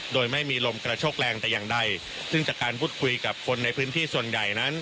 โดยไม่มีลมกระโชกแรงแต่อย่างใดซึ่งจากการพูดคุยกับคนในพื้นที่ส่วนใหญ่นั้น